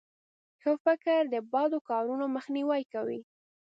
ښه فکر د بدو کارونو مخنیوی کوي.